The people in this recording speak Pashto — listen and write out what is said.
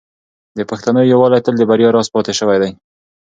د پښتنو یووالی تل د بریا راز پاتې شوی دی.